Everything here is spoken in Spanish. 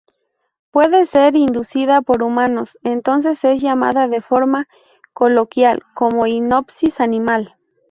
Puede ser inducida por humanos, entonces es llamada de forma coloquial como hipnosis animal.